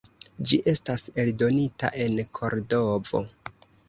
Ĝi estas eldonita en Kordovo.